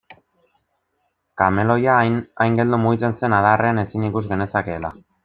Kameleoia hain geldo mugitzen zen adarrean ezin ikus genezakeela.